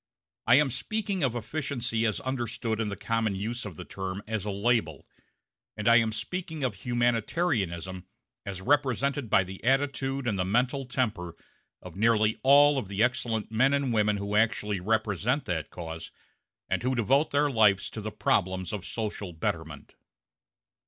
I am speaking of efficiency as understood in the common use of the term as a label; and I am speaking of humanitarianism as represented by the attitude and the mental temper of nearly all of the excellent men and women who actually represent that cause and who devote their lives to the problems of social betterment.